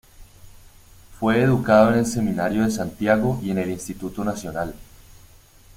Fue educado en el Seminario de Santiago y en el Instituto Nacional.